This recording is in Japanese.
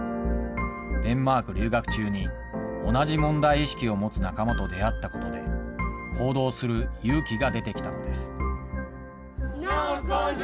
デンマーク留学中に、同じ問題意識を持つ仲間と出会ったことで、行動する勇気が出てきたのです。